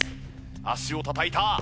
足をたたいた！